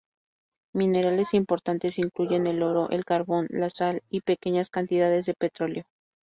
Minerales importantes incluyen el oro, el carbón, la sal y pequeñas cantidades de petróleo.